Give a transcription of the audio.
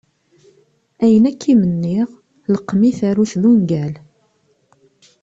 Ayen akk i d am-nniɣ leqqem-it aru-t d ungal.